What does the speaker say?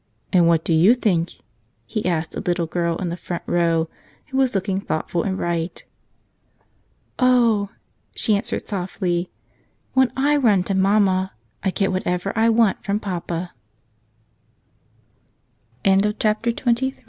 "And what do you think?" he asked a little girl in the front row who was looking thoughtful and bright. "Oh," she answered softly, "when I run to mamma I get whatever I want from papa." 69 MJfrici)